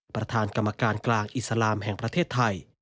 ประธานกรรมการกลางอิสลามแห่งประเทศไทย